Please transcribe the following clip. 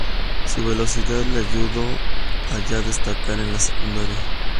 Su velocidad, le ayudó a ya destacar en la secundaria.